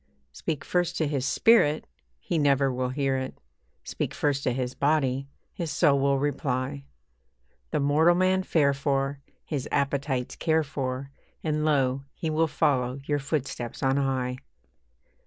Speak first to his spirit, he never will hear it; Speak first to his body, his soul will reply; The mortal man fare for, his appetites care for, And lo! he will follow your footsteps on high.